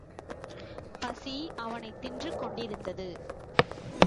பசி அவனைத் தின்று கொண்டிருந்தது.